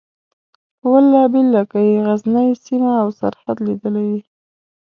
په والله بالله که یې غزنۍ سیمه او سرحد لیدلی وي.